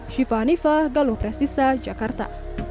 syifa hanifah galuh prestisa jakarta